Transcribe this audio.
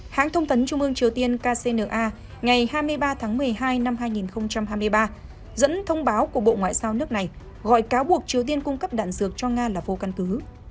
hãng thông tấn trung ương triều tiên kcna ngày hai mươi ba tháng một mươi hai năm hai nghìn hai mươi ba dẫn thông báo của bộ ngoại giao nước này gọi cáo buộc triều tiên cung cấp đạn dược cho nga là vô căn cứ